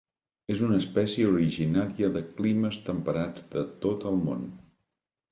És una espècie originària de climes temperats de tot el món.